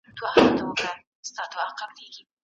شاګرد د ليکني پایله څنګه روښانه کوي؟